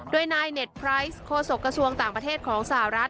โดยนายเน็ตไพรส์โฆษกระทรวงต่างประเทศของสหรัฐ